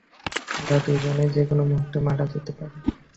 ওরা দুজনেরই যেকোনো মুহুর্তে মারা যেতে পারে।